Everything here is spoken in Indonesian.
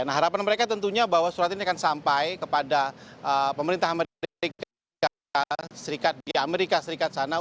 nah harapan mereka tentunya bahwa surat ini akan sampai kepada pemerintah amerika serikat di amerika serikat sana